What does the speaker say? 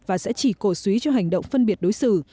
và sẽ chỉ cổ suý cho hành động phân biệt đối xử